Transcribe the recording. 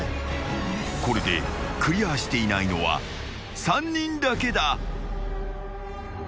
［これでクリアしていないのは３人だけだ］